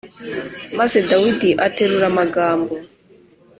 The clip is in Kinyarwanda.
Maze Dawidi aterura amagambo